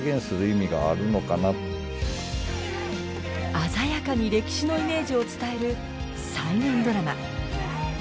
鮮やかに歴史のイメージを伝える再現ドラマ。